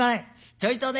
ちょいとね